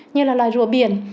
như là loài rùa biển